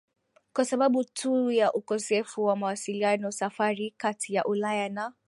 kwa sababu tu ya ukosefu wa mawasiliano Safari kati ya Ulaya na